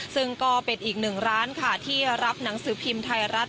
ซึ่งก็เป็นอีกหนึ่งร้านค่ะที่รับหนังสือพิมพ์ไทยรัฐ